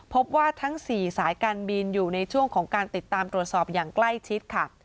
พบว่าทั้ง๔สายการบินอยู่ในช่วงของการติดตามตรวจสอบอย่างใกล้ชิดค่ะ